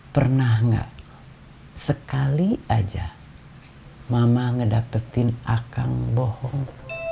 pernah gak sekali aja mama ngedapetin akang bohong